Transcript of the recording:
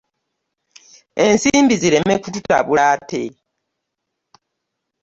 Ensimbi zireme kututabula ate.